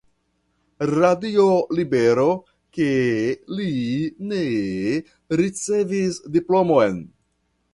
Radio Libero ke li ne ricevis diplomon.